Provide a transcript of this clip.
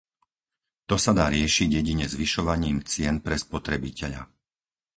To sa dá riešiť jedine zvyšovaním cien pre spotrebiteľa.